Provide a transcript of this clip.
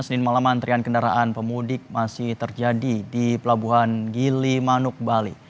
senin malam antrian kendaraan pemudik masih terjadi di pelabuhan gilimanuk bali